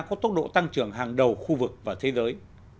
có tốc độ tăng trưởng hàng đầu khu vực và thế giới